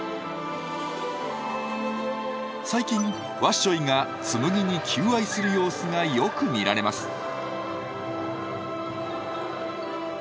最近わっしょいがつむぎに求愛する様子がよく見られます。